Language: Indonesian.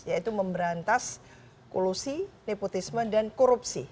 yaitu memberantas kolusi nepotisme dan korupsi